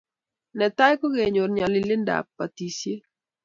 Netai ko kenyor ngalalindo ab batishet